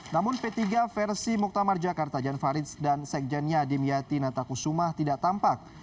namun p tiga versi muktamar jakarta jan faridz dan sekjannya adem yati nataku sumah tidak tampak